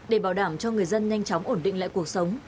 để bảo đảm cho người dân nhanh chóng ổn định lại cuộc sống